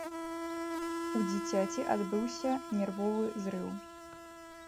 У дзіцяці адбыўся нервовы зрыў.